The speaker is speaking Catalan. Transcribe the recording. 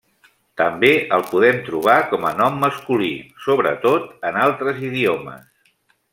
També el podem trobar com a nom masculí, sobretot en altres idiomes.